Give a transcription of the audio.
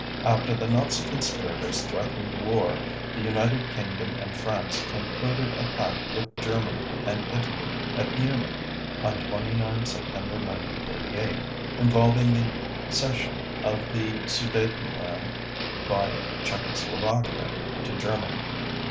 After the Nazi conspirators threatened war, the United Kingdom and France concluded a pact with Germany and Italy at Munich on 29 September 1938, involving the cession of the Sudetenland by Czechoslovakia to Germany.